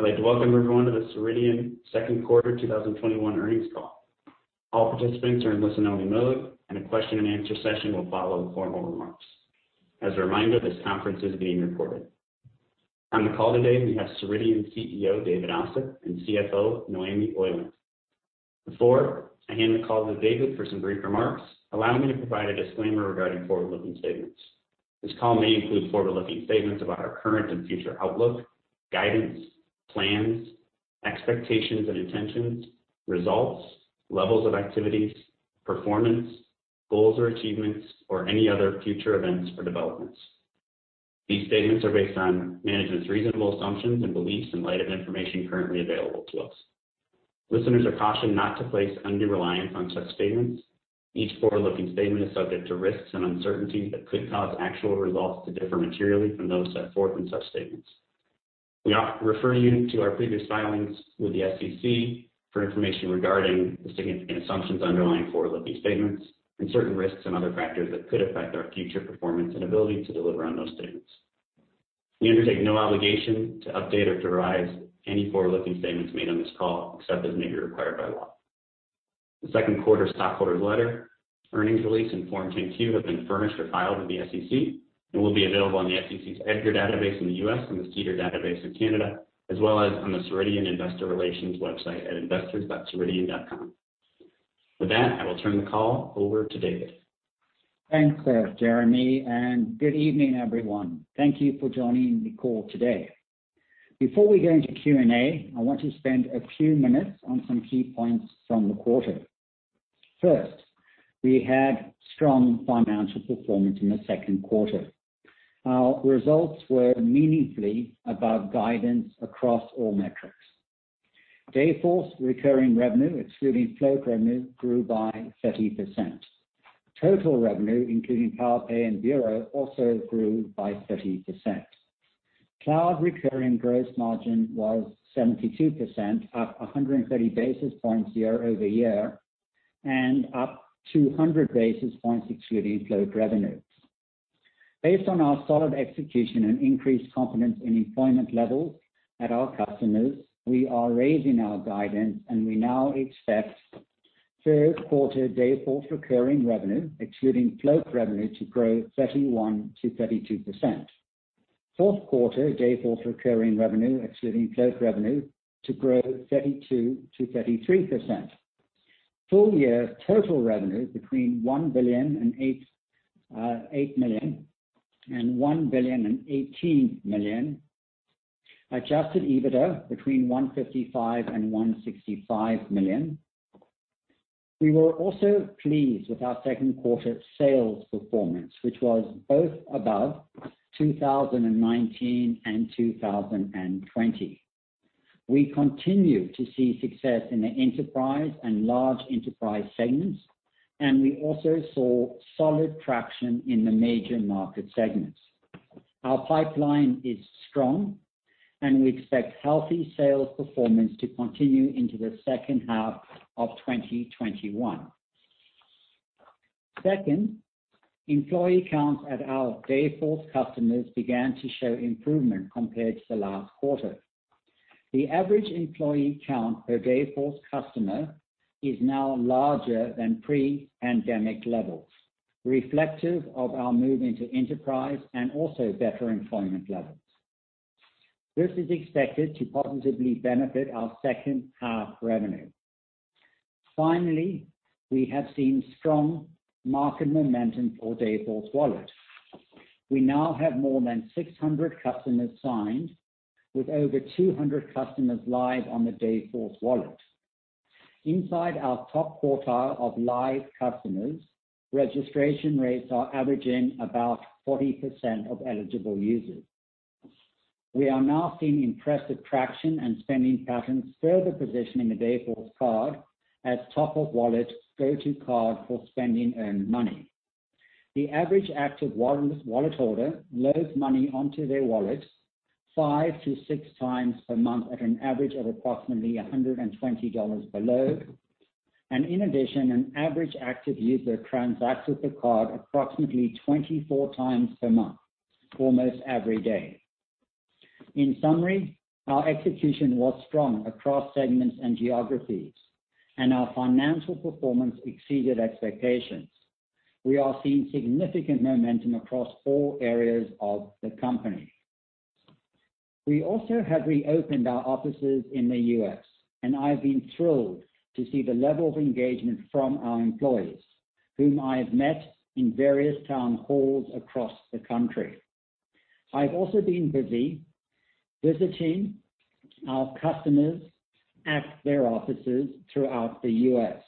I'd like to welcome everyone to the Ceridian second quarter 2021 earnings call. All participants are in listen-only mode, and a question and answer session will follow the formal remarks. As a reminder, this conference is being recorded. On the call today, we have Ceridian CEO, David Ossip, and CFO, Noémie Heuland. Before I hand the call to David for some brief remarks, allow me to provide a disclaimer regarding forward-looking statements. This call may include forward-looking statements about our current and future outlook, guidance, plans, expectations and intentions, results, levels of activities, performance, goals or achievements, or any other future events or developments. These statements are based on management's reasonable assumptions and beliefs in light of information currently available to us. Listeners are cautioned not to place undue reliance on such statements. Each forward-looking statement is subject to risks and uncertainties that could cause actual results to differ materially from those set forth in such statements. We refer you to our previous filings with the SEC for information regarding the significant assumptions underlying forward-looking statements and certain risks and other factors that could affect our future performance and ability to deliver on those statements. We undertake no obligation to update or revise any forward-looking statements made on this call, except as may be required by law. The second quarter stockholders' letter, earnings release, and Form 10-Q have been furnished or filed with the SEC and will be available on the SEC's EDGAR database in the U.S. and the SEDAR database in Canada, as well as on the Ceridian investor relations website at investors.ceridian.com. With that, I will turn the call over to David. Thanks there, Jeremy, and good evening, everyone. Thank you for joining the call today. Before we go into Q&A, I want to spend a few minutes on some key points from the quarter. First, we had strong financial performance in the second quarter. Our results were meaningfully above guidance across all metrics. Dayforce recurring revenue, excluding float revenue, grew by 30%. Total revenue, including Powerpay and Bureau, also grew by 30%. Cloud recurring gross margin was 72%, up 130 basis points year-over-year, and up 200 basis points excluding float revenue. Based on our solid execution and increased confidence in employment levels at our customers, we are raising our guidance, and we now expect third quarter Dayforce recurring revenue, excluding float revenue, to grow 31%-32%. Fourth quarter Dayforce recurring revenue, excluding float revenue, to grow 32%-33%. Full-year total revenue between $1 billion and $8 million and $1 billion and $18 million. Adjusted EBITDA between $155 million and $165 million. We were also pleased with our second quarter sales performance, which was both above 2019 and 2020. We continue to see success in the enterprise and large enterprise segments, and we also saw solid traction in the major market segments. Our pipeline is strong, and we expect healthy sales performance to continue into the second half of 2021. Second, employee counts at our Dayforce customers began to show improvement compared to the last quarter. The average employee count per Dayforce customer is now larger than pre-pandemic levels, reflective of our move into enterprise and also better employment levels. This is expected to positively benefit our second half revenue. Finally, we have seen strong market momentum for Dayforce Wallet. We now have more than 600 customers signed with over 200 customers live on the Dayforce Wallet. Inside our top quartile of live customers, registration rates are averaging about 40% of eligible users. We are now seeing impressive traction and spending patterns further positioning the Dayforce Card as top of wallet go-to card for spending earned money. The average active wallet holder loads money onto their wallet five to six times per month at an average of approximately $120 per load. In addition, an average active user transacts with the card approximately 24 times per month, almost every day. In summary, our execution was strong across segments and geographies, and our financial performance exceeded expectations. We are seeing significant momentum across all areas of the company. We also have reopened our offices in the U.S., and I've been thrilled to see the level of engagement from our employees, whom I've met in various town halls across the country. I've also been busy visiting our customers at their offices throughout the U.S.,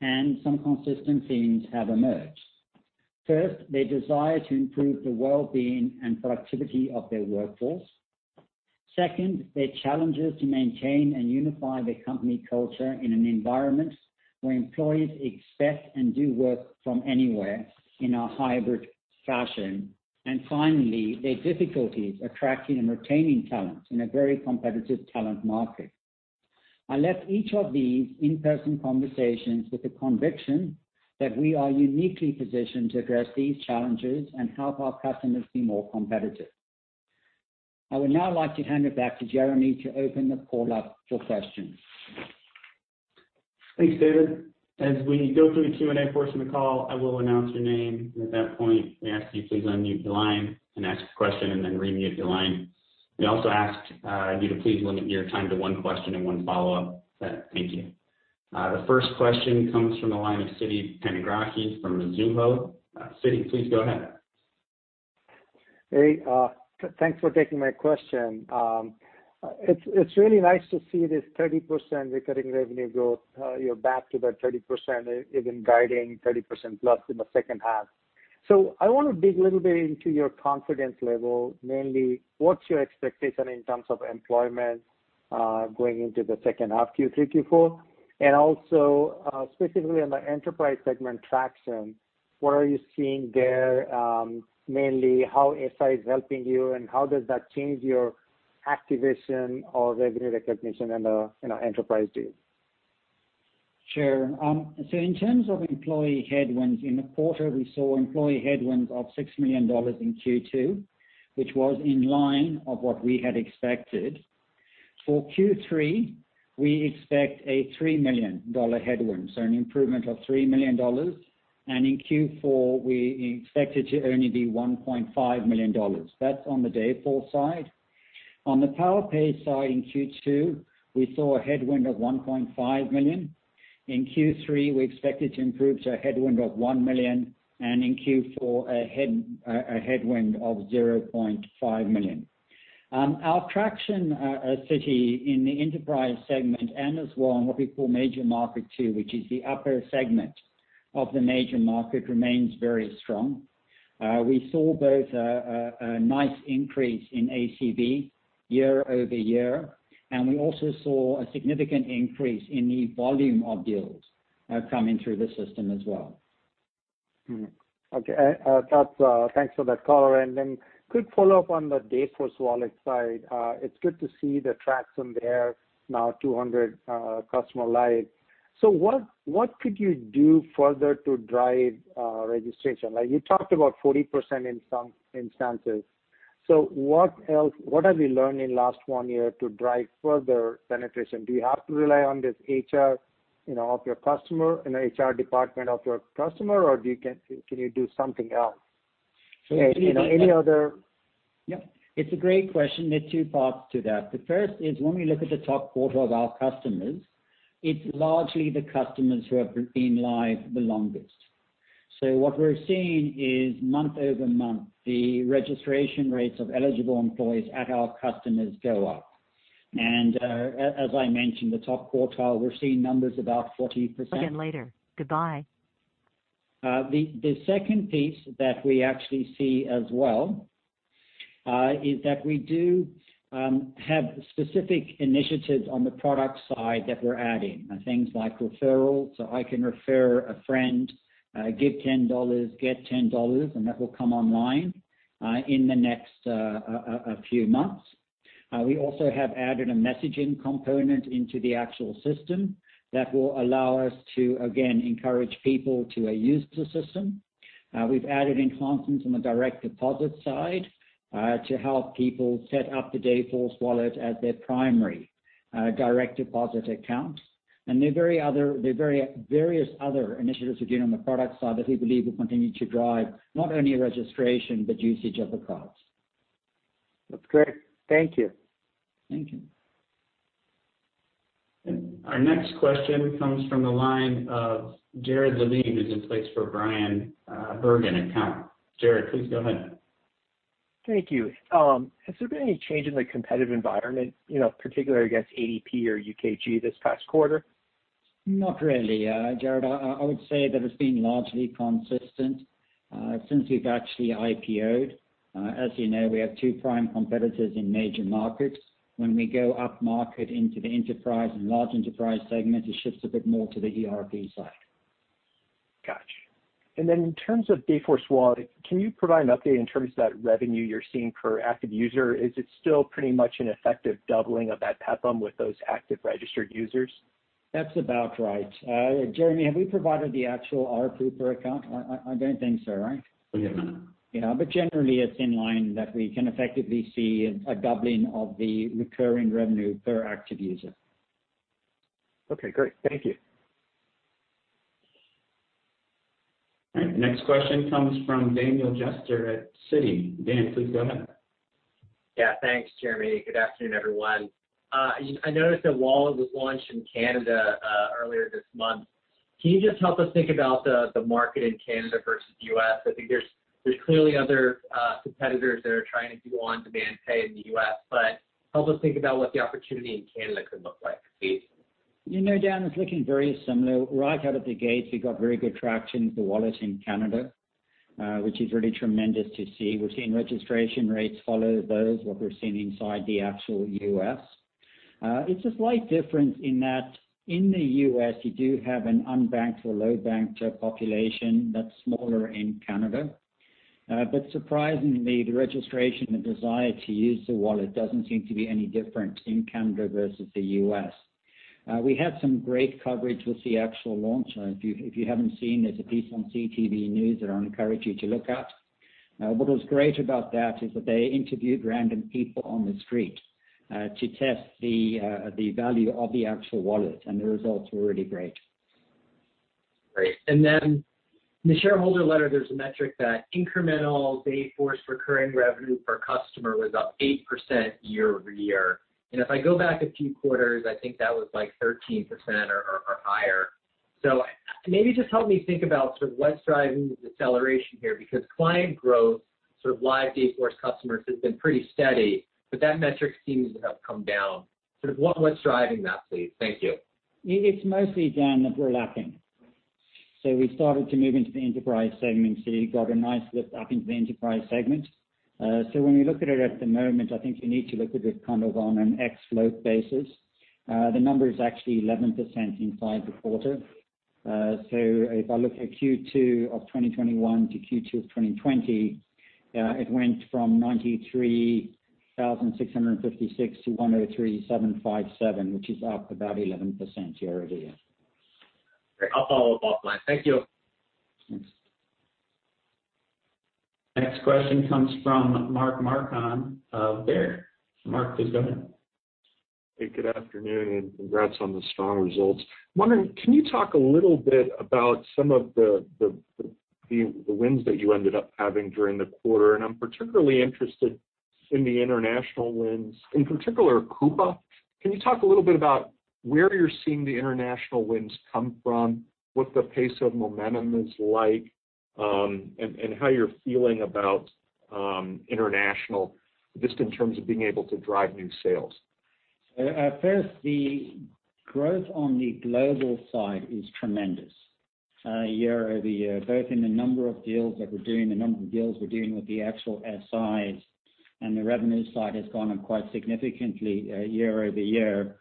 and some consistent themes have emerged. First, their desire to improve the wellbeing and productivity of their workforce. Second, their challenges to maintain and unify their company culture in an environment where employees expect and do work from anywhere in a hybrid fashion. Finally, their difficulties attracting and retaining talent in a very competitive talent market. I left each of these in-person conversations with the conviction that we are uniquely positioned to address these challenges and help our customers be more competitive. I would now like to hand it back to Jeremy to open the call up for questions. Thanks, David. As we go through the Q&A portion of the call, I will announce your name. At that point, may I ask you to please unmute your line and ask a question, and then remute your line. May I also ask you to please limit your time to one question and one follow-up? Thank you. The first question comes from the line of Sitikantha Panigrahi from Mizuho. Siti, please go ahead. Hey, thanks for taking my question. It's really nice to see this 30% recurring revenue growth, back to that 30%, even guiding 30% plus in the second half. I want to dig a little bit into your confidence level. Mainly, what's your expectation in terms of employment going into the second half, Q3, Q4? Also, specifically on the enterprise segment traction, what are you seeing there? Mainly, how SI is helping you, and how does that change your activation or revenue recognition in the enterprise deals? Sure. In terms of employee headwinds, in the quarter, we saw employee headwinds of $6 million in Q2, which was in line of what we had expected. For Q3, we expect a $3 million headwind, so an improvement of $3 million. In Q4, we expect it to only be $1.5 million. That's on the Dayforce side. On the Powerpay side, in Q2, we saw a headwind of $1.5 million. In Q3, we expect it to improve to a headwind of $1 million, and in Q4, a headwind of $0.5 million. Our traction, Siti, in the enterprise segment and as well in what we call major market 2, which is the upper segment of the major market, remains very strong. We saw both a nice increase in ACV year-over-year, and we also saw a significant increase in the volume of deals coming through the system as well. Okay. Thanks for that color. Quick follow-up on the Dayforce Wallet side. It's good to see the traction there, now 200 customer live. What could you do further to drive registration? You talked about 40% in some instances. What have you learned in last one year to drive further penetration? Do you have to rely on this HR of your customer, HR department of your customer, or can you do something else? Yeah. It's a great question. There are two parts to that. The first is when we look at the top quartile of our customers, it's largely the customers who have been live the longest. What we're seeing is month-over-month, the registration rates of eligible employees at our customers go up. As I mentioned, the top quartile, we're seeing numbers about 40%. Again later. Goodbye. The second piece that we actually see as well, is that we do have specific initiatives on the product side that we're adding. Things like referrals, so I can refer a friend, give $10, get $10, and that will come online in the next few months. We also have added a messaging component into the actual system that will allow us to, again, encourage people to use the system. We've added enhancements on the direct deposit side to help people set up the Dayforce Wallet as their primary direct deposit accounts. There are various other initiatives we're doing on the product side that we believe will continue to drive not only registration, but usage of the products. That's great. Thank you. Thank you. Our next question comes from the line of Jared Levine, who's in place for Brian Bergin at Cowen. Jared, please go ahead. Thank you. Has there been any change in the competitive environment, particularly against ADP or UKG this past quarter? Not really, Jared. I would say that it's been largely consistent since we've actually IPO'd. As you know, we have two prime competitors in major markets. When we go up market into the enterprise and large enterprise segment, it shifts a bit more to the ERP side. Got you. Then in terms of Dayforce Wallet, can you provide an update in terms of that revenue you're seeing per active user? Is it still pretty much an effective doubling of that PEPM with those active registered users? That's about right. Jeremy, have we provided the actual ARPU per account? I don't think so, right? We have not. Yeah. Generally, it's in line that we can effectively see a doubling of the recurring revenue per active user. Okay, great. Thank you. All right, next question comes from Daniel Jester at Citi. Dan, please go ahead. Thanks, Jeremy. Good afternoon, everyone. I noticed that Wallet was launched in Canada earlier this month. Can you just help us think about the market in Canada versus U.S.? I think there's clearly other competitors that are trying to go on-demand pay in the U.S., but help us think about what the opportunity in Canada could look like, please. Dan, it's looking very similar. Right out of the gate, we got very good traction with the wallet in Canada, which is really tremendous to see. We're seeing registration rates follow those, what we're seeing inside the actual U.S. It's a slight difference in that in the U.S., you do have an unbanked or low-banked population that's smaller in Canada. But surprisingly, the registration, the desire to use the wallet doesn't seem to be any different in Canada versus the U.S. We had some great coverage with the actual launch. If you haven't seen, there's a piece on CTV News that I encourage you to look at. What was great about that is that they interviewed random people on the street to test the value of the actual wallet, and the results were really great. Great. Then in the shareholder letter, there's a metric that incremental Dayforce recurring revenue per customer was up 8% year-over-year. If I go back a few quarters, I think that was like 13% or higher. Maybe just help me think about what's driving the deceleration here, because client growth, live Dayforce customers has been pretty steady, but that metric seems to have come down. What's driving that, please? Thank you. It's mostly down overlapping. We started to move into the enterprise segment, you got a nice lift up into the enterprise segment. When we look at it at the moment, I think you need to look at it on an ex float basis. The number is actually 11% inside the quarter. If I look at Q2 of 2021 to Q2 of 2020, it went from 93,656 to 103,757, which is up about 11% year-over-year. Great. I'll follow up offline. Thank you. Thanks. Next question comes from Mark Marcon of Baird. Mark, please go ahead. Good afternoon, congrats on the strong results. I'm wondering, can you talk a little bit about some of the wins that you ended up having during the quarter? I'm particularly interested in the international wins, in particular, Coupa. Can you talk a little bit about where you're seeing the international wins come from, what the pace of momentum is like, and how you're feeling about international just in terms of being able to drive new sales? First, the growth on the global side is tremendous year-over-year, both in the number of deals that we're doing, the number of deals we're doing with the actual size and the revenue side has gone up quite significantly year-over-year.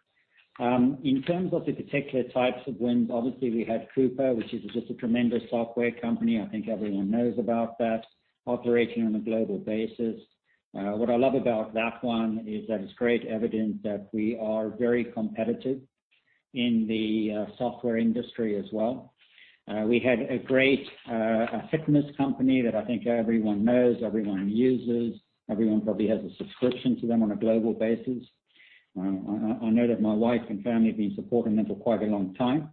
In terms of the particular types of wins, obviously we had Coupa, which is just a tremendous software company, I think everyone knows about that, operating on a global basis. What I love about that one is that it's great evidence that we are very competitive in the software industry as well. We had a great fitness company that I think everyone knows, everyone uses, everyone probably has a subscription to them on a global basis. I know that my wife and family have been supporting them for quite a long time.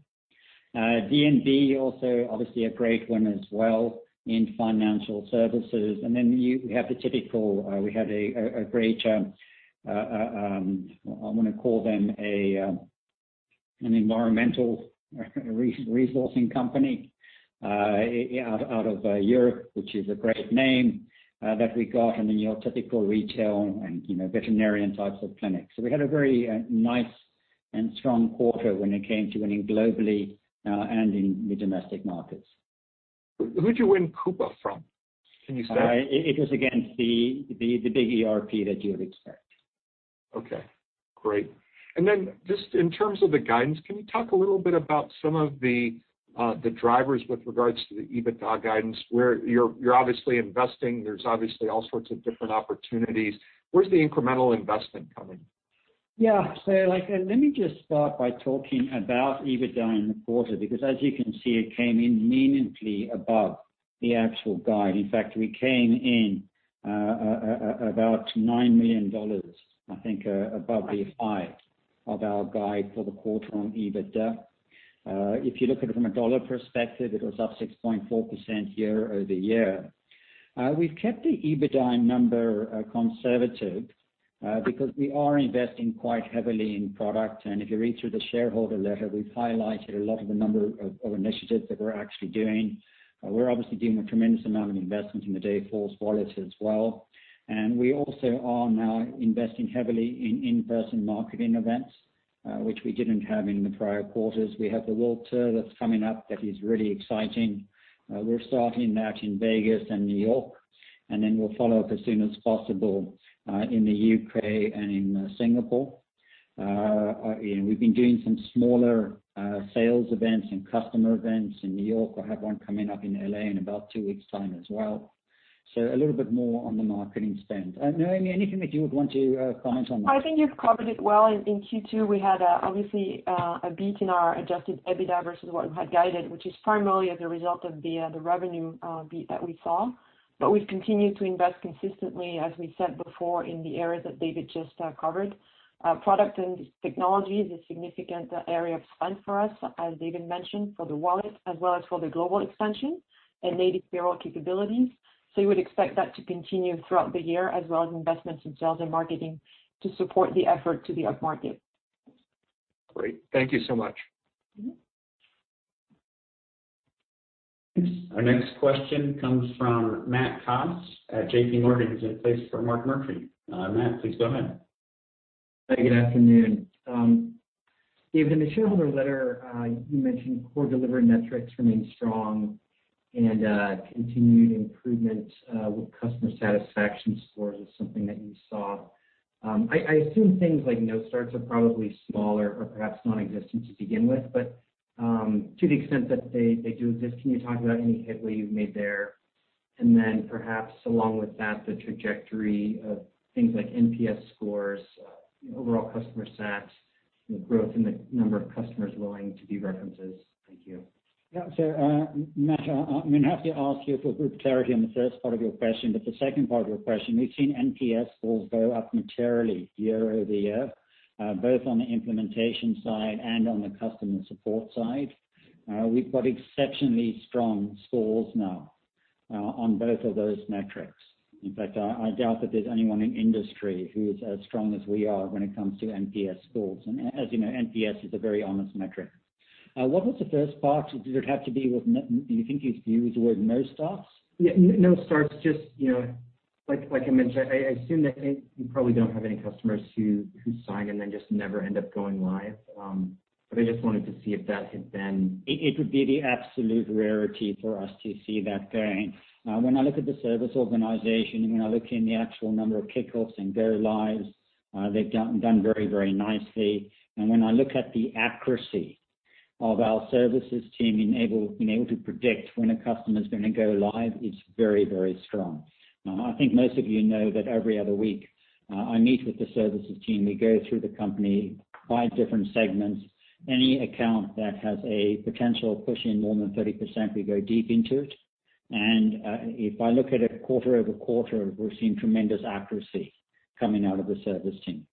D&B also obviously a great one as well in financial services. Then we have the typical, we had a great, I want to call them an environmental resourcing company out of Europe, which is a great name that we got, and then your typical retail and veterinarian types of clinics. We had a very nice and strong quarter when it came to winning globally and in the domestic markets. Who'd you win Coupa from? Can you say? It was again, the big ERP that you would expect. Okay, great. Then just in terms of the guidance, can you talk a little bit about some of the drivers with regards to the EBITDA guidance? You're obviously investing, there's obviously all sorts of different opportunities. Where's the incremental investment coming? Yeah. Let me just start by talking about EBITDA in the quarter, because as you can see, it came in meaningfully above the actual guide. In fact, we came in about $9 million, I think, above the high of our guide for the quarter on EBITDA. If you look at it from a dollar perspective, it was up 6.4% year-over-year. We've kept the EBITDA number conservative because we are investing quite heavily in product, and if you read through the shareholder letter, we've highlighted a lot of the number of initiatives that we're actually doing. We're obviously doing a tremendous amount of investment in the Dayforce Wallet as well. We also are now investing heavily in in-person marketing events, which we didn't have in the prior quarters. We have the world tour that's coming up that is really exciting. We're starting that in Vegas and New York, and then we'll follow up as soon as possible in the U.K. and in Singapore. We've been doing some smaller sales events and customer events in New York. I have one coming up in L.A. in about two weeks' time as well. A little bit more on the marketing spend. Noémie, anything that you would want to comment on that? I think you've covered it well. In Q2, we had obviously a beat in our adjusted EBITDA versus what we had guided, which is primarily as a result of the revenue beat that we saw. We've continued to invest consistently, as we said before, in the areas that David just covered. Product and technology is a significant area of spend for us, as David mentioned, for the wallet as well as for the global expansion and native payroll capabilities. You would expect that to continue throughout the year, as well as investments in sales and marketing to support the effort to the upmarket. Great. Thank you so much. Our next question comes from Matt Coss at JPMorgan. He's in place for Mark Murphy. Matt, please go ahead. Hey, good afternoon. David, in the shareholder letter, you mentioned core delivery metrics remain strong and continued improvement with customer satisfaction scores is something that you saw. I assume things like no starts are probably smaller or perhaps nonexistent to begin with, but to the extent that they do exist, can you talk about any headway you've made there? Then perhaps along with that, the trajectory of things like NPS scores, overall customer sat, growth in the number of customers willing to be references. Thank you. Yeah. Matt, I'm going to have to ask you for group clarity on the first part of your question, but the second part of your question, we've seen NPS scores go up materially year-over-year, both on the implementation side and on the customer support side. We've got exceptionally strong scores now on both of those metrics. In fact, I doubt that there's anyone in industry who's as strong as we are when it comes to NPS scores. As you know, NPS is a very honest metric. What was the first part? Did it have to do with do you think you used the word no starts? Yeah, no starts. Just like I mentioned, I assume that you probably don't have any customers who sign and then just never end up going live. It would be the absolute rarity for us to see that going. When I look at the service organization and when I look in the actual number of kickoffs and go lives, they've done very nicely. When I look at the accuracy of our services team being able to predict when a customer is going to go live, it's very strong. Now, I think most of you know that every other week, I meet with the services team. We go through the company by different segments. Any account that has a potential of pushing more than 30%, we go deep into it. If I look at it quarter-over-quarter, we're seeing tremendous accuracy coming out of the service team.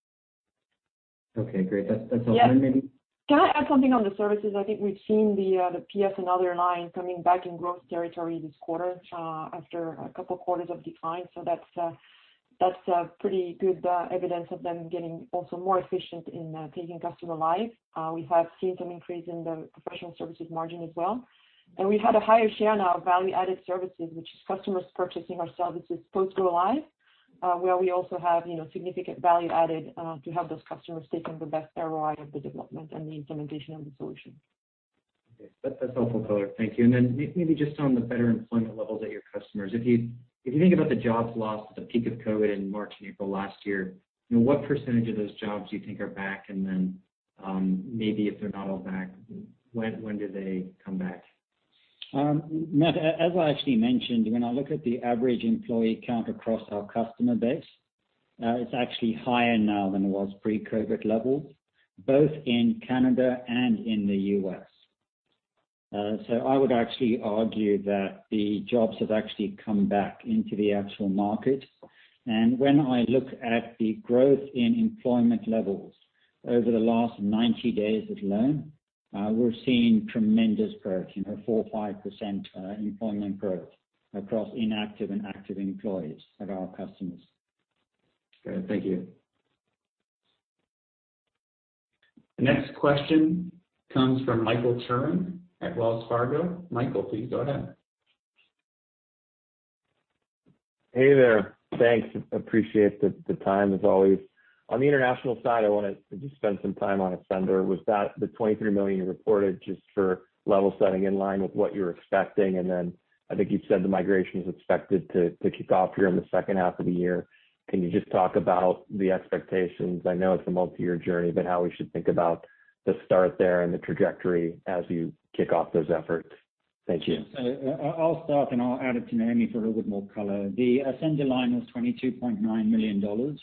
Okay, great. That's all. Noémie? Can I add something on the services? I think we've seen the PS and other lines coming back in growth territory this quarter after a couple of quarters of decline. That's pretty good evidence of them getting also more efficient in taking customer live. We have seen some increase in the professional services margin as well. We had a higher share now of value-added services, which is customers purchasing our services post go live, where we also have significant value added to have those customers taking the best ROI of the development and the implementation of the solution. Okay. That's helpful color. Thank you. Maybe just on the better employment levels at your customers. If you think about the jobs lost at the peak of COVID in March and April last year, what percentage of those jobs you think are back? Maybe if they're not all back, when do they come back? Matt, as I actually mentioned, when I look at the average employee count across our customer base, it's actually higher now than it was pre-COVID levels, both in Canada and in the U.S. I would actually argue that the jobs have actually come back into the actual market. When I look at the growth in employment levels over the last 90 days alone, we're seeing tremendous growth, 4% or 5% employment growth across inactive and active employees at our customers. Great. Thank you. The next question comes from Michael Turrin at Wells Fargo. Michael, please go ahead. Hey there. Thanks. Appreciate the time as always. On the international side, I want to just spend some time on Ascender. Was that the $23 million you reported just for level setting in line with what you're expecting? I think you've said the migration is expected to kick off here in the second half of the year. Can you just talk about the expectations? I know it's a multi-year journey, but how we should think about the start there and the trajectory as you kick off those efforts. Thank you. I'll start, and I'll add it to Noémie for a little bit more color. The Ascender line was $22.9 million,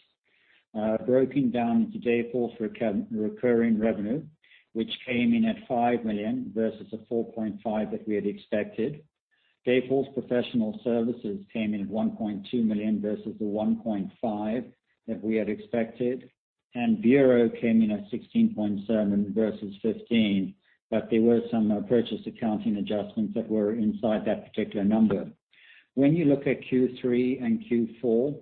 broken down into Dayforce recurring revenue, which came in at $5 million versus the $4.5 million that we had expected. Dayforce professional services came in at $1.2 million versus the $1.5 million that we had expected. Bureau came in at $16.7 million versus $15 million, but there were some purchase accounting adjustments that were inside that particular number. When you look at Q3 and Q4,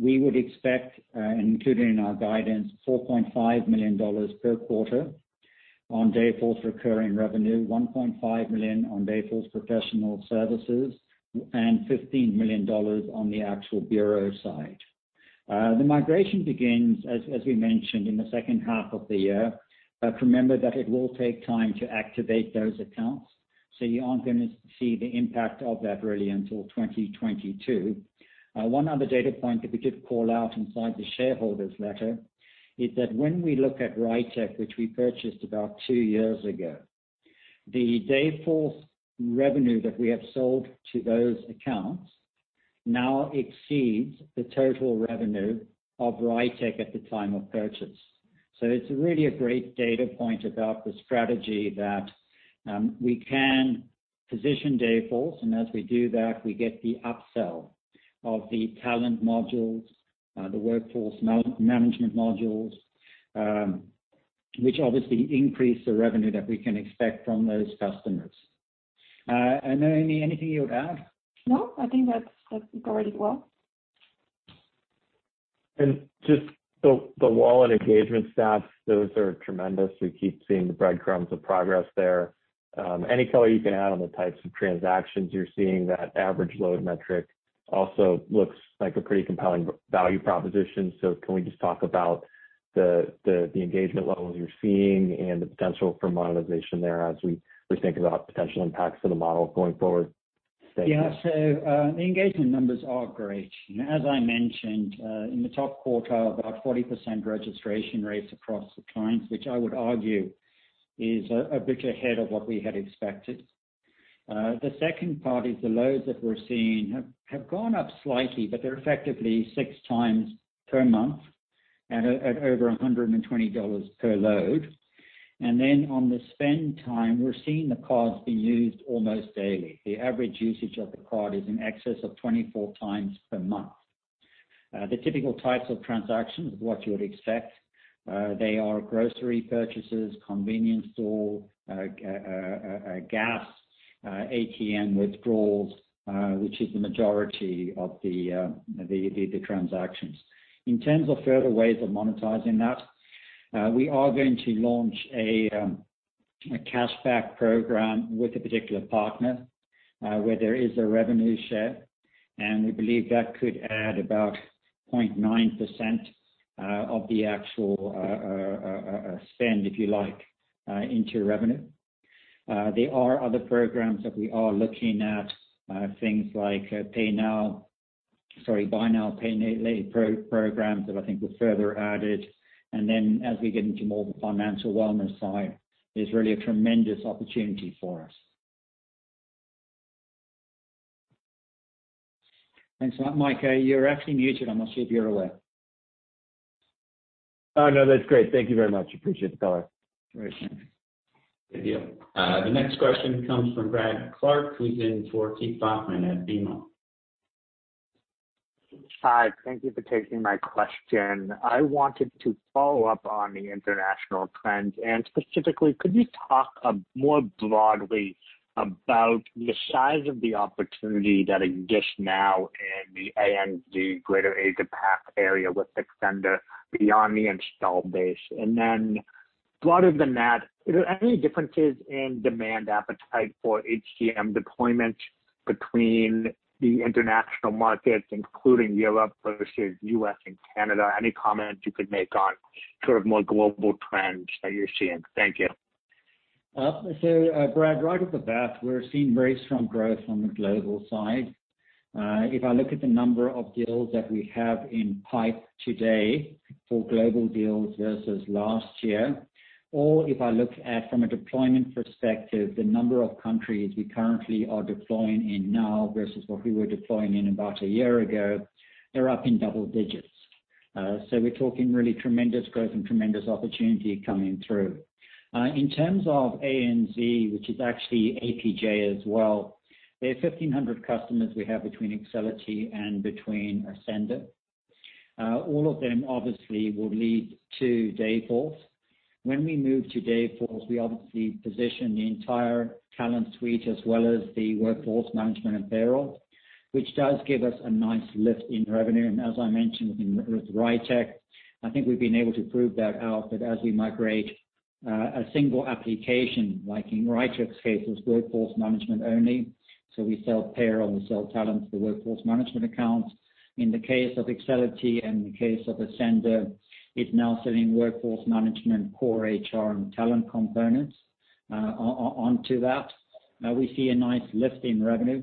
we would expect, including in our guidance, $4.5 million per quarter on Dayforce recurring revenue, $1.5 million on Dayforce professional services, and $15 million on the actual Bureau side. The migration begins, as we mentioned, in the second half of the year. Remember that it will take time to activate those accounts. You aren't going to see the impact of that really until 2022. One other data point that we did call out inside the shareholders' letter is that when we look at RITEQ, which we purchased about two years ago, the Dayforce revenue that we have sold to those accounts now exceeds the total revenue of RITEQ at the time of purchase. It's really a great data point about the strategy that we can position Dayforce, as we do that, we get the upsell of the talent modules, the workforce management modules, which obviously increase the revenue that we can expect from those customers. Noémie, anything you would add? No, I think that covered it well. Just the Dayforce Wallet engagement stats, those are tremendous. We keep seeing the breadcrumbs of progress there. Any color you can add on the types of transactions you're seeing? That average load metric also looks like a pretty compelling value proposition. Can we just talk about the engagement levels you're seeing and the potential for monetization there as we think about potential impacts to the model going forward? Thank you. Yeah. The engagement numbers are great. As I mentioned, in the top quartile, about 40% registration rates across the clients, which I would argue is a bit ahead of what we had expected. The second part is the loads that we're seeing have gone up slightly, but they're effectively 6x per month at over $120 per load. On the spend time, we're seeing the cards be used almost daily. The average usage of the card is in excess of 24x per month. The typical types of transactions are what you would expect. They are grocery purchases, convenience store, gas, ATM withdrawals, which is the majority of the transactions. In terms of further ways of monetizing that, we are going to launch a cashback program with a particular partner, where there is a revenue share, and we believe that could add about 0.9% of the actual spend, if you like, into revenue. There are other programs that we are looking at, things like, sorry, buy now, pay later programs that I think will further add it. Then as we get into more of the financial wellness side, there's really a tremendous opportunity for us. So Michael, you're actually muted. I'm not sure if you're aware. Oh, no, that's great. Thank you very much. Appreciate the color. Very sure. Thank you. The next question comes from Bradley Clark, who's in for Keith Bachman at BMO. Hi. Thank you for taking my question. I wanted to follow up on the international trends, and specifically, could you talk more broadly about the size of the opportunity that exists now in the ANZ greater Asia-Pac area with Ascender beyond the installed base? And then broader than that, are there any differences in demand appetite for HCM deployment between the international markets, including Europe versus U.S. and Canada? Any comments you could make on more global trends that you're seeing? Thank you. Brad, right off the bat, we're seeing very strong growth on the global side. If I look at the number of deals that we have in pipe today for global deals versus last year, or if I look at, from a deployment perspective, the number of countries we currently are deploying in now versus what we were deploying in about a year ago, they're up in double digits. We're talking really tremendous growth and tremendous opportunity coming through. In terms of ANZ, which is actually APJ as well, there are 1,500 customers we have between Excelity and between Ascender. All of them obviously will lead to Dayforce. When we move to Dayforce, we obviously position the entire talent suite as well as the workforce management and payroll, which does give us a nice lift in revenue. As I mentioned with RITEQ, I think we've been able to prove that out. As we migrate a single application, like in RITEQ's case, it was workforce management only, so we sell payroll, we sell talent for workforce management accounts. In the case of Excelity and the case of Ascender, it's now selling workforce management core HR and talent components onto that. We see a nice lift in revenue.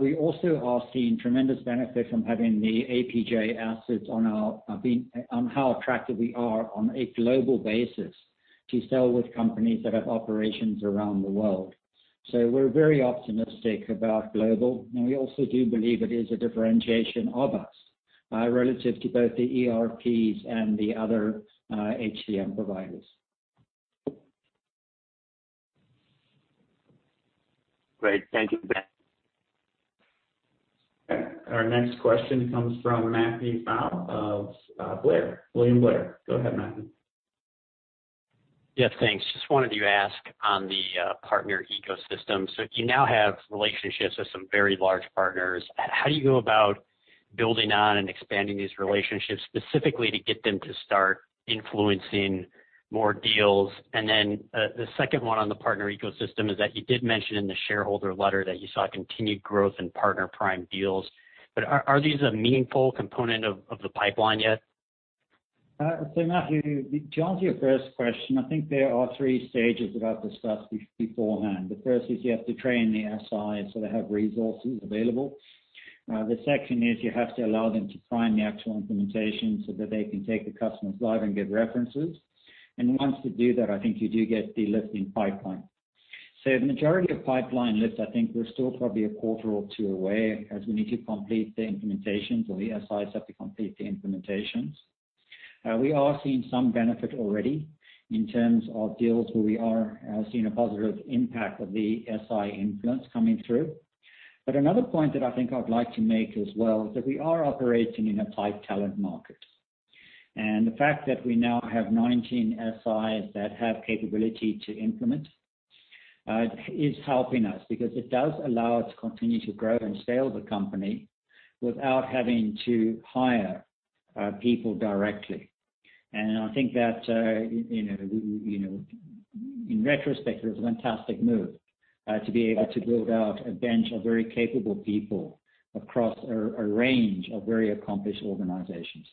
We also are seeing tremendous benefit from having the APJ assets on how attractive we are on a global basis to sell with companies that have operations around the world. We're very optimistic about global, and we also do believe it is a differentiation of us relative to both the ERPs and the other HCM providers. Great. Thank you. Our next question comes from Matthew Pfau of Blair, William Blair. Go ahead, Matthew. Yes, thanks. Wanted to ask on the partner ecosystem. You now have relationships with some very large partners. How do you go about building on and expanding these relationships specifically to get them to start influencing more deals? The second one on the partner ecosystem is that you did mention in the shareholder letter that you saw continued growth in partner-primed deals. Are these a meaningful component of the pipeline yet? Matthew, to answer your 1st question, I think there are three stages that I've discussed beforehand. The first is you have to train the SIs so they have resources available. The second is you have to allow them to prime the actual implementation so that they can take the customers live and get references. Once they do that, I think you do get the lift in pipeline. The majority of pipeline lifts, I think we're still probably a quarter or two away as we need to complete the implementations or the SIs have to complete the implementations. We are seeing some benefit already in terms of deals where we are seeing a positive impact of the SI influence coming through. Another point that I think I'd like to make as well is that we are operating in a tight talent market. The fact that we now have 19 SIs that have capability to implement is helping us because it does allow us to continue to grow and scale the company without having to hire people directly. I think that in retrospect, it was a fantastic move to be able to build out a bench of very capable people across a range of very accomplished organizations.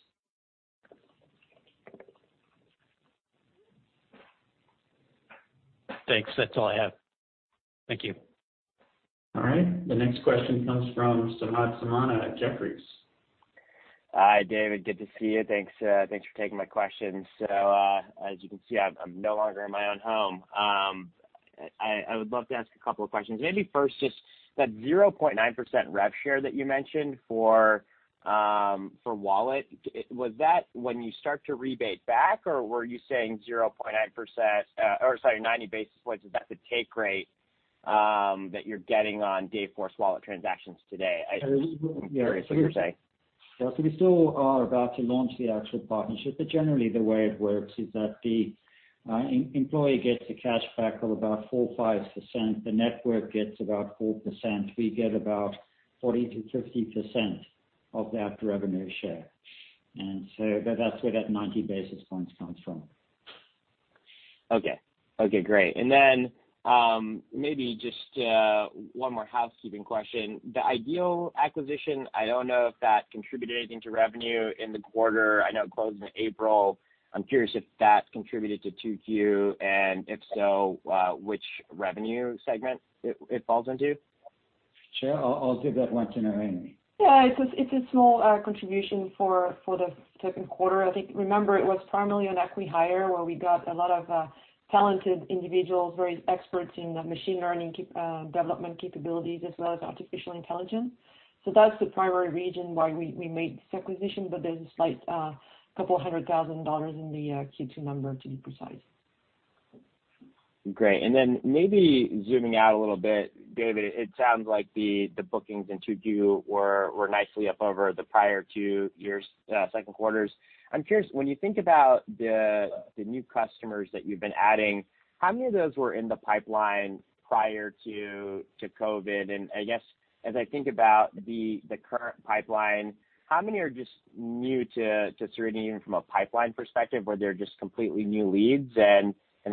Thanks. That is all I have. Thank you. All right. The next question comes from Samad Samana at Jefferies. Hi, David. Good to see you. Thanks for taking my questions. As you can see, I'm no longer in my own home. I would love to ask a couple of questions. Maybe first, just that 0.9% rev share that you mentioned for Wallet, was that when you start to rebate back, or were you saying 90 basis points, is that the take rate that you're getting on Dayforce Wallet transactions today? I was curious what you were saying. Yeah. We still are about to launch the actual partnership, but generally, the way it works is that the employee gets a cash back of about 4%-5%. The network gets about 4%. We get about 40%-50% of that revenue share. That's where that 90 basis points comes from. Okay. Okay, great. Maybe just one more housekeeping question. The Ideal acquisition, I don't know if that contributed anything to revenue in the quarter. I know it closed in April. I'm curious if that contributed to 2Q, and if so, which revenue segment it falls into. Sure. I'll give that one to Noémie. It's a small contribution for the second quarter. Remember, it was primarily an acqui-hire, where we got a lot of talented individuals, various experts in machine learning development capabilities, as well as artificial intelligence. That's the primary reason why we made this acquisition, but there's a slight couple hundred thousand dollars in the Q2 number, to be precise. Great. Then maybe zooming out a little bit, David, it sounds like the bookings in 2Q were nicely up over the prior two year second quarters. I'm curious, when you think about the new customers that you've been adding, how many of those were in the pipeline prior to COVID? I guess, as I think about the current pipeline, how many are just new to Ceridian from a pipeline perspective, where they're just completely new leads?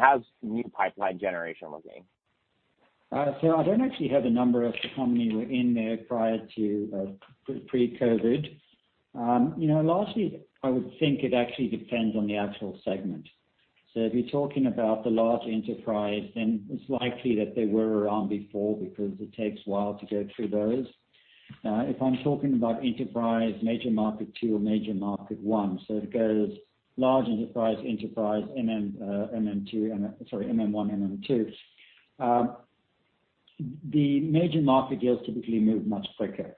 How's new pipeline generation looking? I don't actually have a number of how many were in there prior to pre-COVID. Lastly, I would think it actually depends on the actual segment. If you're talking about the large enterprise, then it's likely that they were around before because it takes a while to go through those. If I'm talking about enterprise, major market 2 or major market 1, it goes large enterprise, MM2, sorry, MM1, MM2. The major market deals typically move much quicker.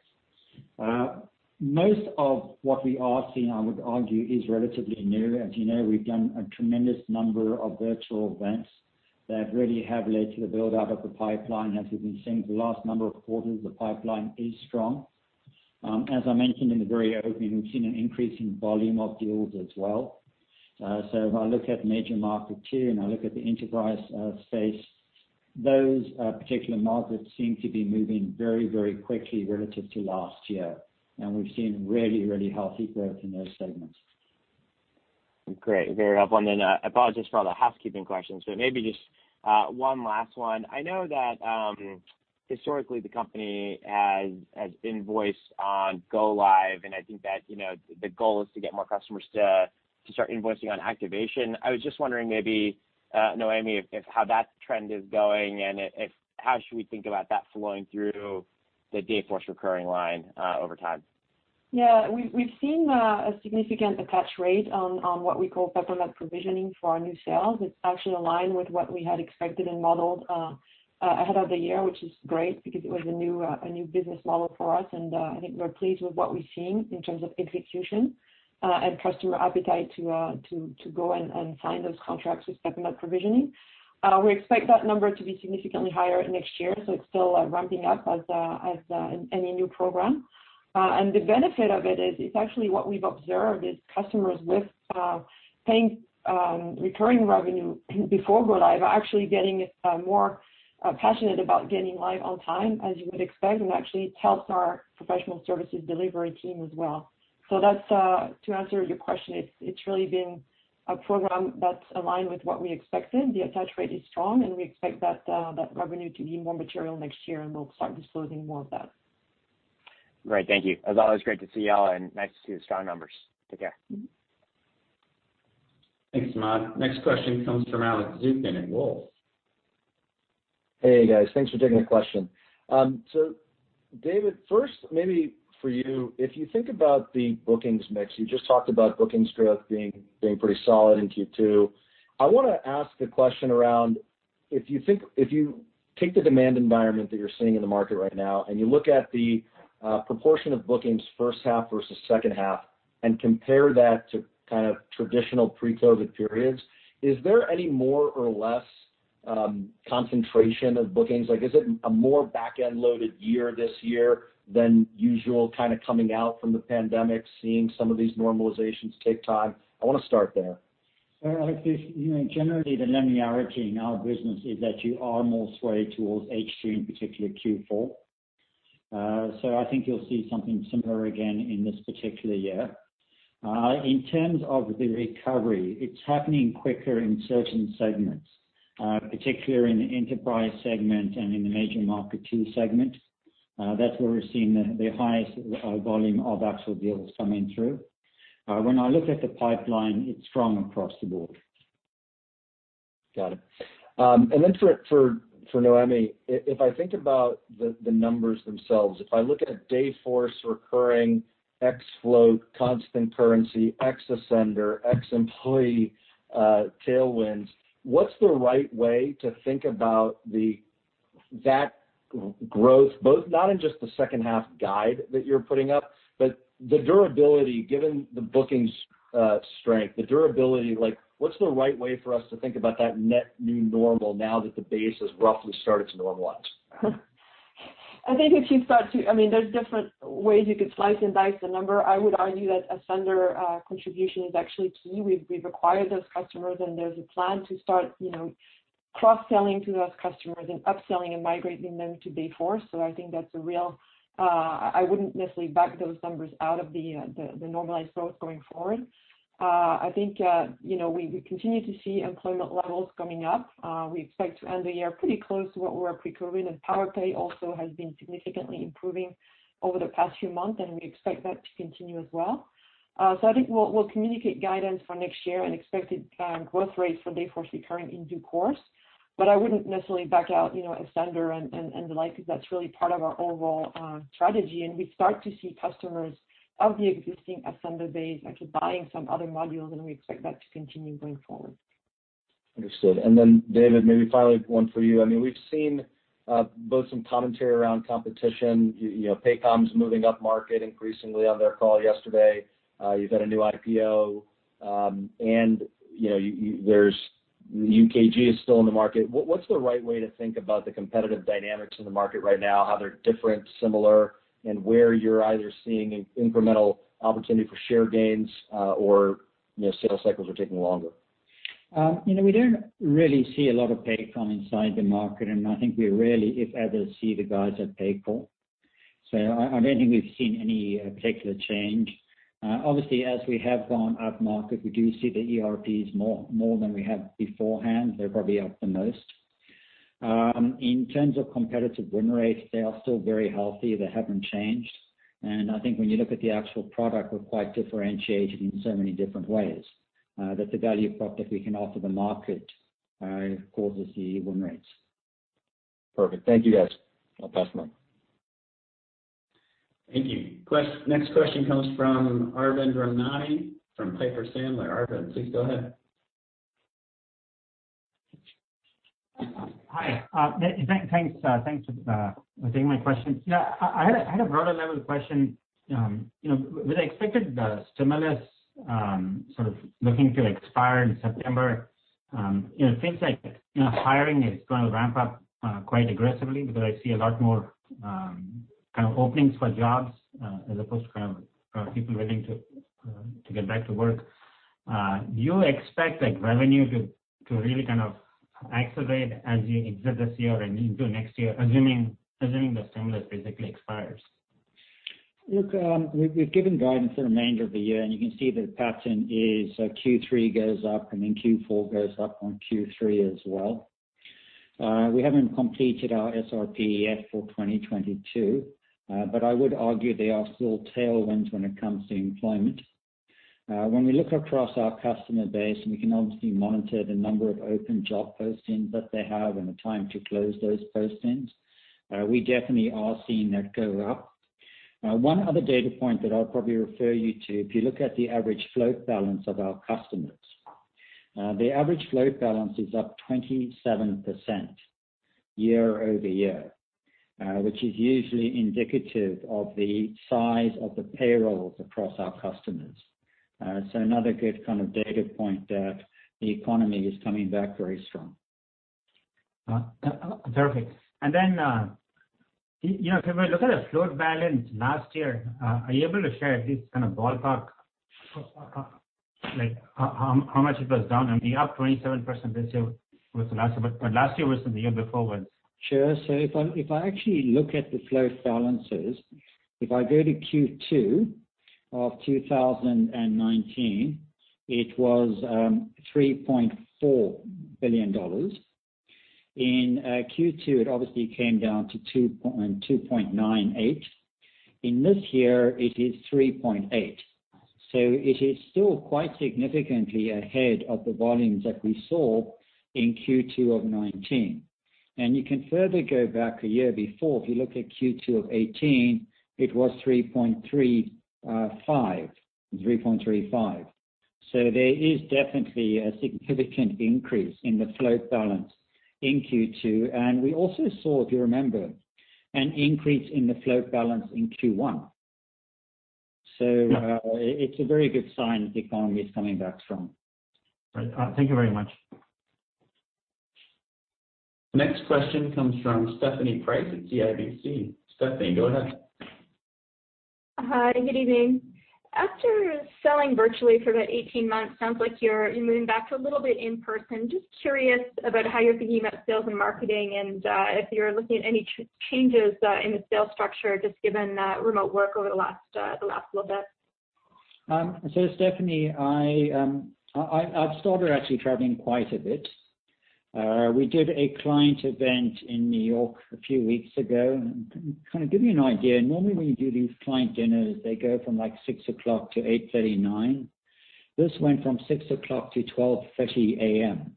Most of what we are seeing, I would argue, is relatively new. As you know, we've done a tremendous number of virtual events that really have led to the build-out of the pipeline. As we've been seeing the last number of quarters, the pipeline is strong. As I mentioned in the very opening, we've seen an increase in volume of deals as well. If I look at major market two and I look at the enterprise space, those particular markets seem to be moving very quickly relative to last year. We've seen really healthy growth in those segments. Great. Very helpful. Apologies for all the housekeeping questions, but maybe just one last one. I know that historically the company has invoiced on go live, and I think that the goal is to get more customers to start invoicing on activation. I was just wondering maybe, Noémie, how that trend is going, and how should we think about that flowing through the Dayforce recurring line over time? Yeah. We've seen a significant attach rate on what we call pre-PEPM provisioning for our new sales. It's actually aligned with what we had expected and modeled ahead of the year, which is great because it was a new business model for us. I think we're pleased with what we're seeing in terms of execution and customer appetite to go and sign those contracts with pre-PEPM provisioning. We expect that number to be significantly higher next year, so it's still ramping up as any new program. The benefit of it is, it's actually what we've observed is customers with paying recurring revenue before go live are actually getting more passionate about getting live on time, as you would expect. Actually, it helps our professional services delivery team as well. To answer your question, it's really been a program that's aligned with what we expected. The attach rate is strong, and we expect that revenue to be more material next year, and we'll start disclosing more of that. Great. Thank you. As always, great to see you all, and nice to see the strong numbers. Take care. Thanks, Samad. Next question comes from Alex Zukin at Wolfe. Hey, guys. Thanks for taking the question. David, first maybe for you, if you think about the bookings mix, you just talked about bookings growth being pretty solid in Q2. I want to ask a question around if you take the demand environment that you're seeing in the market right now and you look at the proportion of bookings first half versus second half and compare that to kind of traditional pre-COVID periods, is there any more or less concentration of bookings? Is it a more back-end loaded year this year than usual kind of coming out from the pandemic, seeing some of these normalizations take time? I want to start there. Alex, generally the linearity in our business is that you are more swayed towards H2, in particular Q4. I think you'll see something similar again in this particular year. In terms of the recovery, it's happening quicker in certain segments, particularly in the enterprise segment and in the major market 2 segment. That's where we're seeing the highest volume of actual deals coming through. When I look at the pipeline, it's strong across the board. Got it. For Noémie, if I think about the numbers themselves, if I look at Dayforce recurring ex float, constant currency, ex Ascender, ex employee tailwinds, what's the right way to think about that growth, both not in just the second half guide that you're putting up, but the durability, given the bookings strength. The durability, what's the right way for us to think about that net new normal now that the base has roughly started to normalize? There's different ways you could slice and dice the number. I would argue that Ascender contribution is actually key. We've acquired those customers, there's a plan to start cross-selling to those customers and upselling and migrating them to Dayforce. I wouldn't necessarily back those numbers out of the normalized growth going forward. I think we continue to see employment levels coming up. We expect to end the year pretty close to what we were pre-COVID, Powerpay also has been significantly improving over the past few months, we expect that to continue as well. I think we'll communicate guidance for next year and expected growth rates for Dayforce recurring in due course, I wouldn't necessarily back out Ascender and the like, because that's really part of our overall strategy. We start to see customers of the existing Ascender base actually buying some other modules, and we expect that to continue going forward. Understood. David, maybe finally one for you. We've seen both some commentary around competition, Paycom's moving up market increasingly on their call yesterday. You've got a new IPO. UKG is still in the market. What's the right way to think about the competitive dynamics in the market right now, how they're different, similar, and where you're either seeing incremental opportunity for share gains or sales cycles are taking longer? We don't really see a lot of Paycom inside the market, and I think we rarely, if ever, see the guys at Paycom. I don't think we've seen any particular change. Obviously, as we have gone up market, we do see the ERPs more than we have beforehand. They're probably up the most. In terms of competitive win rate, they are still very healthy. They haven't changed. I think when you look at the actual product, we're quite differentiated in so many different ways, that the value prop that we can offer the market causes the win rates. Perfect. Thank you, guys. I'll pass them on. Thank you. Next question comes from Arvind Ramnani from Piper Sandler. Arvind, please go ahead. Hi. Thanks for taking my question. I had a broader level question. With the expected stimulus sort of looking to expire in September, things like hiring is going to ramp up quite aggressively, because I see a lot more kind of openings for jobs as opposed to people willing to get back to work. Do you expect revenue to really kind of accelerate as you exit this year and into next year, assuming the stimulus basically expires? We've given guidance for the remainder of the year, and you can see the pattern is Q3 goes up, and then Q4 goes up on Q3 as well. We haven't completed our SRP yet for 2022. I would argue there are still tailwinds when it comes to employment. When we look across our customer base, and we can obviously monitor the number of open job postings that they have and the time to close those postings, we definitely are seeing that go up. One other data point that I'll probably refer you to, if you look at the average float balance of our customers. The average float balance is up 27% year-over-year, which is usually indicative of the size of the payrolls across our customers. Another good kind of data point that the economy is coming back very strong. Perfect. If I look at the float balance last year, are you able to share at least kind of ballpark, how much it was down and the up 27% this year was the last, but last year versus the year before was? Sure. If I actually look at the float balances, if I go to Q2 of 2019, it was $3.4 billion. In Q2, it obviously came down to $2.98. In this year, it is $3.8, so it is still quite significantly ahead of the volumes that we saw in Q2 of 2019. You can further go back a year before. If you look at Q2 of 2018, it was $3.35. There is definitely a significant increase in the float balance in Q2. We also saw, if you remember, an increase in the float balance in Q1. It's a very good sign the economy is coming back strong. Right. Thank you very much. Next question comes from Stephanie Price at CIBC. Stephanie, go ahead. Hi, good evening. After selling virtually for about 18 months, sounds like you're moving back to a little bit in person. Just curious about how you're thinking about sales and marketing and if you're looking at any changes in the sales structure, just given remote work over the last little bit. Stephanie, I've started actually traveling quite a bit. We did a client event in New York a few weeks ago. To kind of give you an idea, normally when you do these client dinners, they go from 6:00 P.M. to 8:30 P.M., 9:00 P.M. This went from 6:00 P.M. to 12:30 A.M.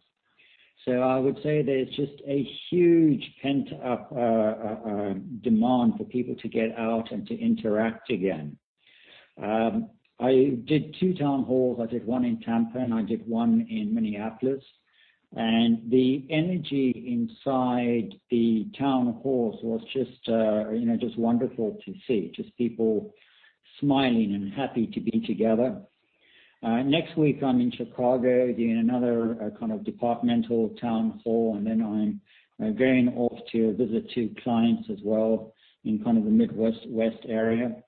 I would say there's just a huge pent-up demand for people to get out and to interact again. I did two town halls. I did one in Tampa, and I did one in Minneapolis. The energy inside the town halls was just wonderful to see. Just people smiling and happy to be together. Next week I'm in Chicago doing another kind of departmental town hall, and then I'm going off to visit two clients as well in kind of the Midwest/West area,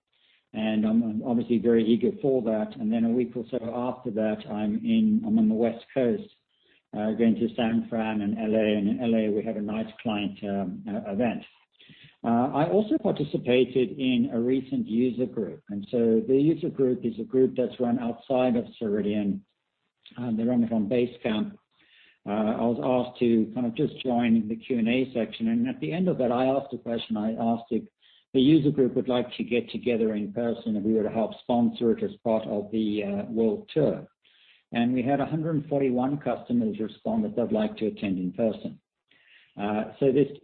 and I'm obviously very eager for that. Then a week or so after that, I'm on the West Coast, going to San Fran and L.A. In L.A., we have a nice client event. I also participated in a recent user group. So the user group is a group that's run outside of Ceridian. They run it on Basecamp. I was asked to kind of just join the Q&A section. At the end of that, I asked a question. I asked if the user group would like to get together in person, and we would help sponsor it as part of the world tour. We had 141 customers respond that they'd like to attend in person. The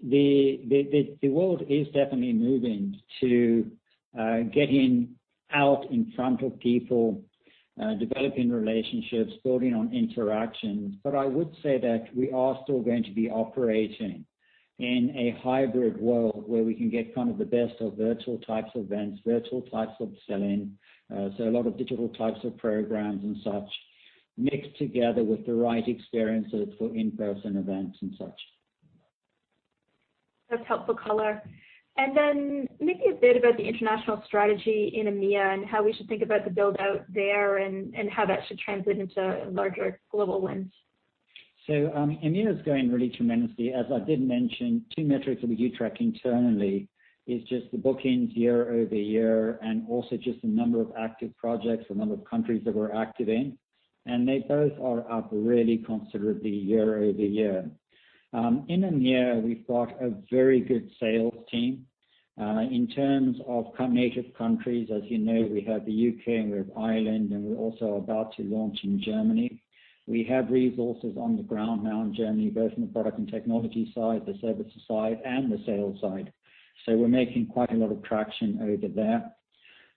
world is definitely moving to getting out in front of people, developing relationships, building on interactions. I would say that we are still going to be operating in a hybrid world where we can get kind of the best of virtual types events, virtual types of selling. A lot of digital types of programs and such mixed together with the right experiences for in-person events and such. That's helpful color. Maybe a bit about the international strategy in EMEA and how we should think about the build-out there and how that should translate into larger global wins. EMEA is going really tremendously. As I did mention, two metrics that we do track internally is just the bookings year-over-year and also just the number of active projects, the number of countries that we're active in. They both are up really considerably year-over-year. In EMEA, we've got a very good sales team. In terms of native countries, as you know, we have the U.K., we have Ireland, we're also about to launch in Germany. We have resources on the ground now in Germany, both on the product and technology side, the services side, the sales side. We're making quite a lot of traction over there.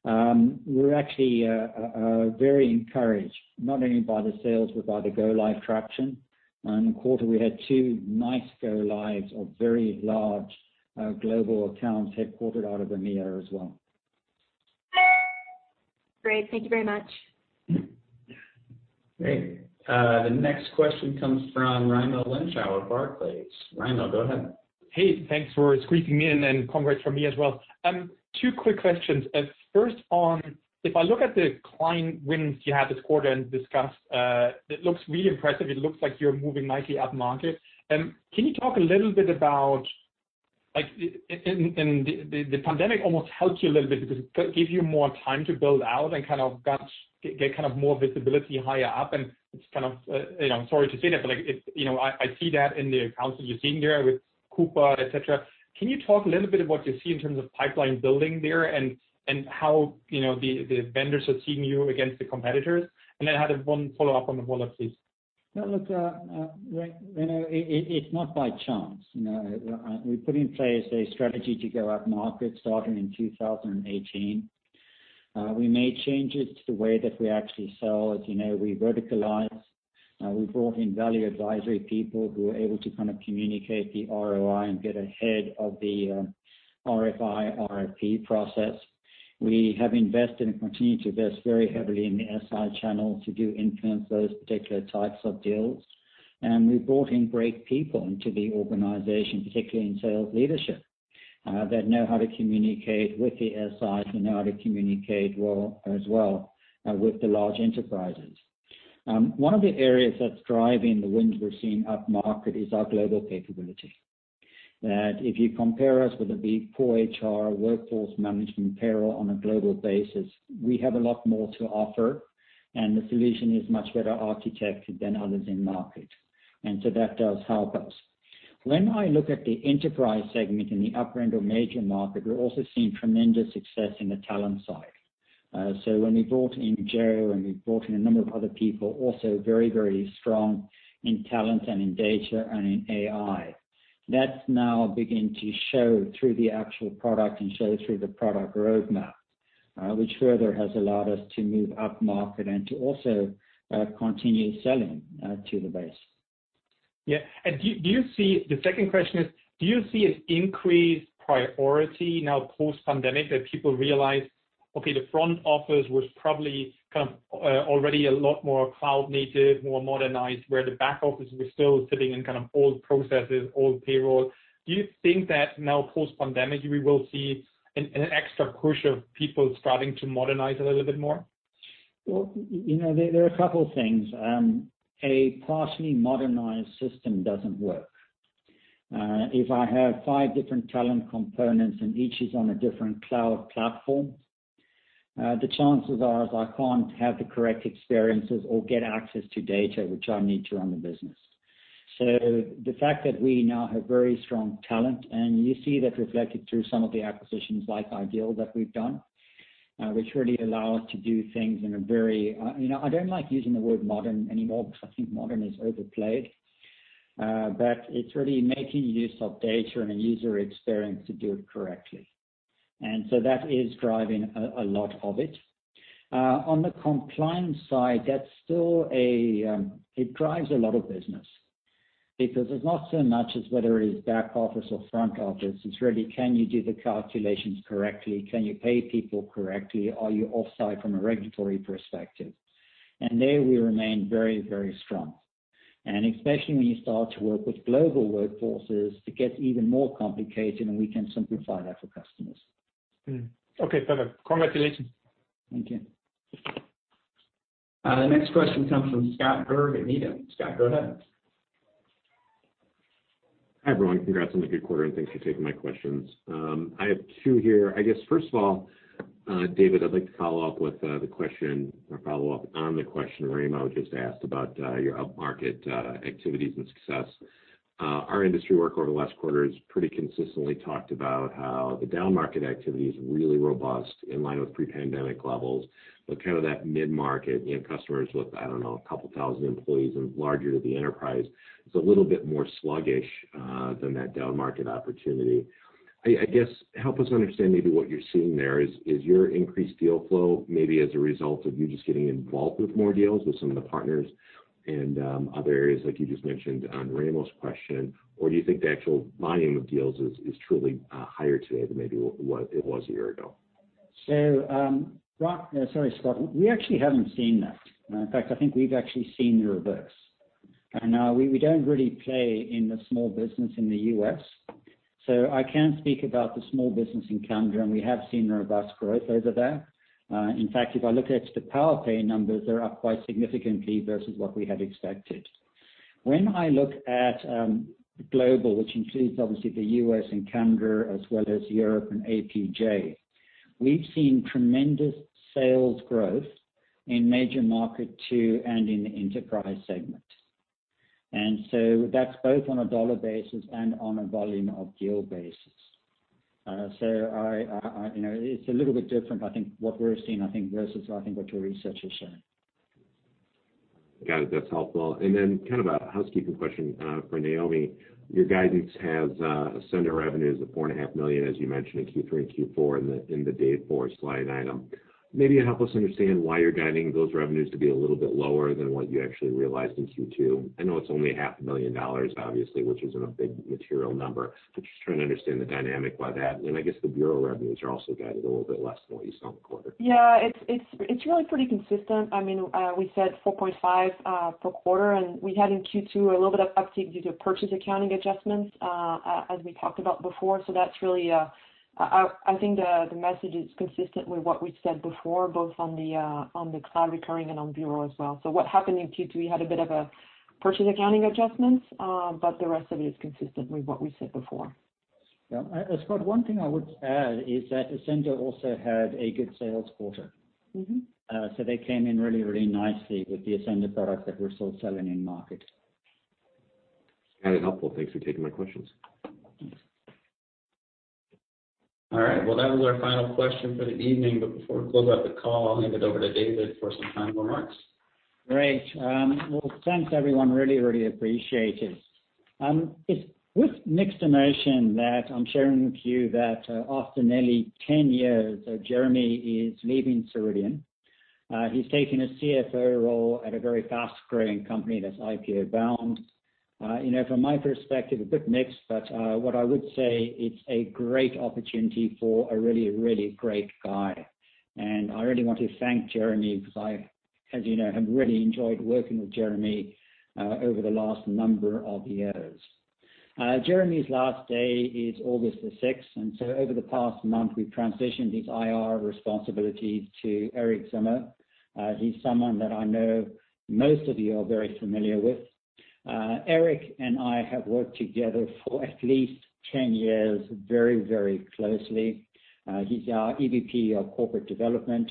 We're actually very encouraged, not only by the sales but by the go-live traction. In the quarter, we had two nice go-lives of very large global accounts headquartered out of EMEA as well. Great. Thank you very much. Great. The next question comes from Raimo Lenschow of Barclays. Raimo, go ahead. Hey, thanks for squeezing me in, and congrats from me as well. Two quick questions. First on, if I look at the client wins you had this quarter and discussed, it looks really impressive. It looks like you're moving nicely up market. Can you talk a little bit. The pandemic almost helped you a little bit because it gave you more time to build out and kind of get kind of more visibility higher up. I'm sorry to say that, but I see that in the accounts that you're seeing there with Coupa, et cetera. Can you talk a little bit of what you see in terms of pipeline building there and how the vendors are seeing you against the competitors? I have one follow-up on the Wallet, please. No, look, Raimo, it's not by chance. We put in place a strategy to go up market starting in 2018. We made changes to the way that we actually sell. As you know, we verticalized. We brought in value advisory people who were able to kind of communicate the ROI and get ahead of the RFI, RFP process. We have invested and continue to invest very heavily in the SI channel to influence those particular types of deals. We brought in great people into the organization, particularly in sales leadership, that know how to communicate with the SIs and know how to communicate well as well with the large enterprises. One of the areas that's driving the wins we're seeing up market is our global capability. That if you compare us with a big core HR, workforce management, payroll on a global basis, we have a lot more to offer, and the solution is much better architected than others in market. That does help us. When I look at the enterprise segment in the upper end of major market, we're also seeing tremendous success in the talent side. When we brought in Joe and we brought in a number of other people, also very, very strong in talent and in data and in AI. That's now beginning to show through the actual product and show through the product roadmap, which further has allowed us to move up market and to also continue selling to the base. Yeah. The second question is, do you see an increased priority now post-pandemic that people realize, okay, the front office was probably kind of already a lot more cloud-native, more modernized, where the back office was still sitting in kind of old processes, old payroll. Do you think that now post-pandemic, we will see an extra push of people striving to modernize a little bit more? Well, there are a couple things. A partially modernized system doesn't work. If I have five different talent components and each is on a different cloud platform, the chances are is I can't have the correct experiences or get access to data which I need to run the business. So the fact that we now have very strong talent, and you see that reflected through some of the acquisitions like Ideal that we've done, which really allow us to do things in a very I don't like using the word modern anymore because I think modern is overplayed. It's really making use of data and user experience to do it correctly. That is driving a lot of it. On the compliance side, it drives a lot of business because it's not so much as whether it is back office or front office, it's really can you do the calculations correctly? Can you pay people correctly? Are you offside from a regulatory perspective? There we remain very strong. Especially when you start to work with global workforces, it gets even more complicated, and we can simplify that for customers. Okay. Perfect. Congratulations. Thank you. The next question comes from Scott Berg at Needham. Scott, go ahead. Hi, everyone. Congrats on the good quarter, and thanks for taking my questions. I have two here. I guess, first of all, David, I'd like to follow up with the question or follow up on the question Raimo just asked about your upmarket activities and success. Our industry work over the last quarter has pretty consistently talked about how the downmarket activity is really robust, in line with pre-pandemic levels. Kind of that mid-market, customers with, I don't know, couple thousand employees and larger the enterprise, is a little bit more sluggish than that downmarket opportunity. I guess help us understand maybe what you're seeing there. Is your increased deal flow maybe as a result of you just getting involved with more deals with some of the partners and other areas like you just mentioned on Raimo's question, or do you think the actual volume of deals is truly higher today than maybe it was a year ago? Scott, we actually haven't seen that. In fact, I think we've actually seen the reverse. We don't really play in the small business in the U.S., so I can speak about the small business in Canada, and we have seen robust growth over there. In fact, if I look at the Powerpay numbers, they're up quite significantly versus what we had expected. When I look at global, which includes obviously the U.S. and Canada as well as Europe and APJ, we've seen tremendous sales growth in major market two and in the enterprise segment. That's both on a dollar basis and on a volume of deal basis. It's a little bit different, I think what we're seeing, I think, versus I think what your research is showing. Got it. That's helpful. Then kind of a housekeeping question for Noémie. Your guidance has Ascender revenues of $4.5 million, as you mentioned in Q3 and Q4 in the Dayforce slide item. Maybe help us understand why you're guiding those revenues to be a little bit lower than what you actually realized in Q2. I know it's only half a million dollars, obviously, which isn't a big material number, but just trying to understand the dynamic why that, and I guess the Bureau revenues are also guided a little bit less than what you saw in the quarter. Yeah. It's really pretty consistent. We said $4.5 million for quarter, and we had in Q2 a little bit of uptick due to purchase accounting adjustments, as we talked about before. I think the message is consistent with what we've said before, both on the cloud recurring and on Bureau as well. what happened in Q2, we had a bit of a purchase accounting adjustments, but the rest of it is consistent with what we said before. Yeah. Scott, one thing I would add is that Ascender also had a good sales quarter. They came in really, really nicely with the Ascender product that we're still selling in market. Got it. Helpful. Thanks for taking my questions. All right. Well, that was our final question for the evening, but before we close out the call, I'll hand it over to David for some final remarks. Great. Well, thanks everyone. Really, really appreciate it. It's with mixed emotion that I'm sharing with you that after nearly 10 years, Jeremy is leaving Ceridian. He's taking a CFO role at a very fast-growing company that's IPO-bound. From my perspective, a bit mixed, but what I would say, it's a great opportunity for a really, really great guy. I really want to thank Jeremy because I, as you know, have really enjoyed working with Jeremy over the last number of years. Jeremy's last day is August 6th. Over the past month, we transitioned his IR responsibilities to Erik Zimmer. He's someone that I know most of you are very familiar with. Erik and I have worked together for at least 10 years very, very closely. He's our EVP of corporate development.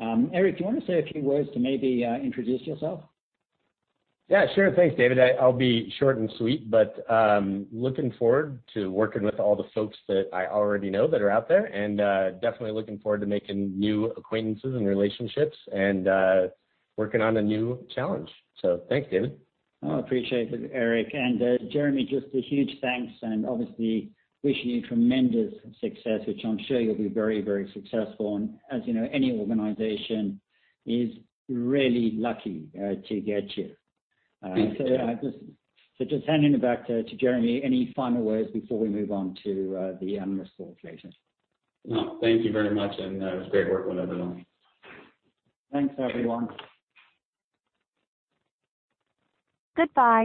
Erik, do you want to say a few words to maybe introduce yourself? Yeah, sure. Thanks, David. I'll be short and sweet, but looking forward to working with all the folks that I already know that are out there and definitely looking forward to making new acquaintances and relationships and working on a new challenge. Thank you, David. Oh, appreciate it, Erik. Jeremy, just a huge thanks, and obviously wishing you tremendous success, which I'm sure you'll be very successful. As you know, any organization is really lucky to get you. Thank you. Just handing it back to Jeremy. Any final words before we move on to the analyst call later? No. Thank you very much, and it was great working with everyone. Thanks, everyone. Goodbye